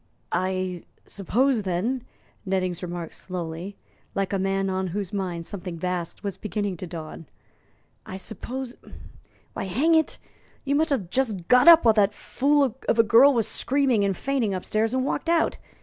"I suppose, then," Nettings remarked slowly, like a man on whose mind something vast was beginning to dawn, "I suppose why, hang it, you must have just got up while that fool of a girl was screaming and fainting upstairs, and walked out.